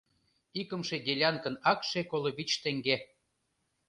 — Икымше делянкын акше коло вич теҥге.